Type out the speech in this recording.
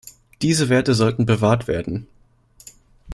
Diese Werte sollten bewahrt werden.